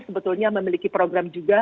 sebetulnya memiliki program juga